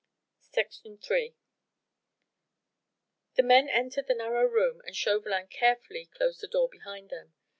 III The men entered the narrow room and Chauvelin carefully closed the door behind him.